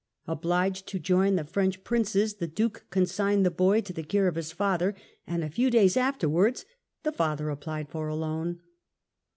Obliged to join the French Princes, the Duke consigned the boy to the care of his father, and a few days afterwards the father applied for a loan.